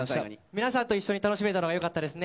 皆さんと一緒に出られたのがよかったですね。